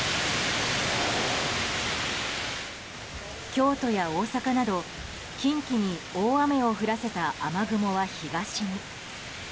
京都や大阪など、近畿に大雨を降らせた雨雲は東に。